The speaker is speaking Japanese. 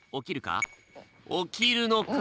起きるか？